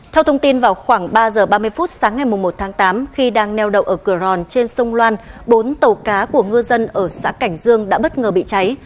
theo thông tin vào khoảng ba giờ ba mươi phút sáng ngày một tháng tám khi đang neo đậu ở cửa ròn trên sông loan bốn tàu cá của ngư dân ở xã cảnh dương đã bất ngờ bị cháy